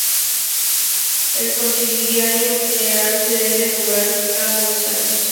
El Consiliario General se debe nombrar cada dos años.